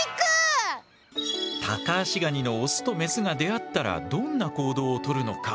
タカアシガニのオスとメスが出会ったらどんな行動をとるのか。